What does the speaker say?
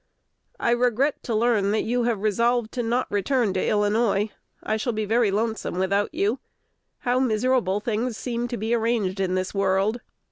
I regret to learn that you have resolved to not return to Illinois. I shall be very lonesome without you. How miserable things seem to be arranged in this world!